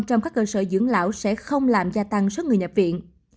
trong các cơ sở dưỡng lão sẽ không làm gia tăng số người nhập viện